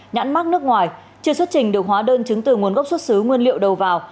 nhãn mắc nước ngoài chưa xuất trình được hóa đơn chứng từ nguồn gốc xuất xứ nguyên liệu đầu vào